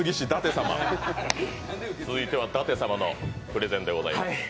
様今度は舘様のプレゼンでございます。